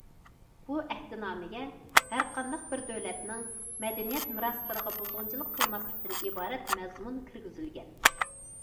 بۇ ئەھدىنامىگە ھەرقانداق بىر دۆلەتنىڭ مەدەنىيەت مىراسلىرىغا بۇزغۇنچىلىق قىلماسلىقتىن ئىبارەت مەزمۇن كىرگۈزۈلگەن.